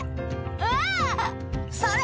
うわ！それ。